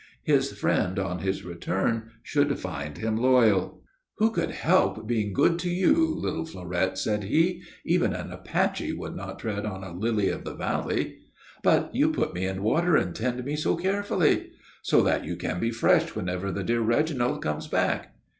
His friend on his return should find him loyal. "Who could help being good to you, little Fleurette?" said he. "Even an Apache would not tread on a lily of the valley!" "But you put me in water and tend me so carefully." "So that you can be fresh whenever the dear Reginald comes back."